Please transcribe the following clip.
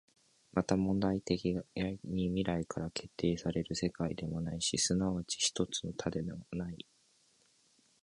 また目的論的に未来から決定せられる世界でもない、即ち一の多でもない。